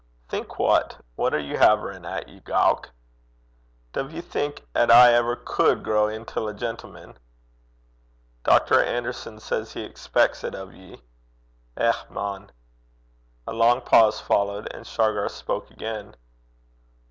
'Think what? What are ye haverin' at, ye gowk?' 'Duv ye think 'at I ever could grow intil a gentleman?' 'Dr. Anderson says he expecs 't o' ye.' 'Eh, man!' A long pause followed, and Shargar spoke again.